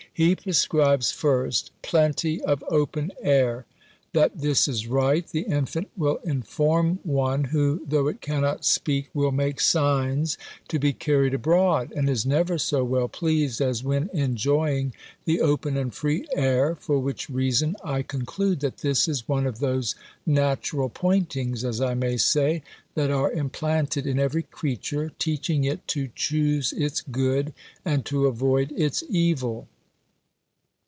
He prescribes first, plenty of open air. That this is right, the infant will inform one, who, though it cannot speak, will make signs to be carried abroad, and is never so well pleased, as when enjoying the open and free air; for which reason I conclude, that this is one of those natural pointings, as I may say, that are implanted in every creature, teaching it to choose its good, and to avoid its evil.